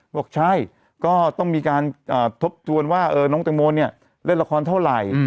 บอกใช่ก็ต้องมีการทบทวนว่าน้องแตงโมเนี่ยเล่นละครเท่าไหร่